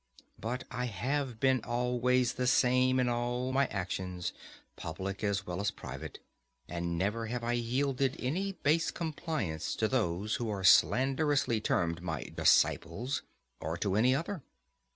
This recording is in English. But I have been always the same in all my actions, public as well as private, and never have I yielded any base compliance to those who are slanderously termed my disciples, or to any other.